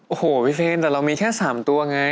โอ้โหพี่เฟนแต่เรามีแค่๓ตัวไง